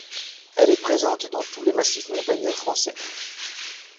Elle est présente dans tous les massifs montagneux français.